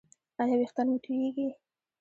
ایا ویښتان مو توییږي؟